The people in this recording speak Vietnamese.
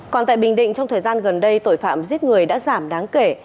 còn tại bình định trong thời gian gần đây tội phạm giết người đã giảm đáng kể